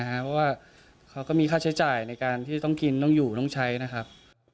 เพราะว่าเขาก็มีค่าใช้จ่ายในการที่ต้องกินต้องอยู่ต้องใช้นะครับ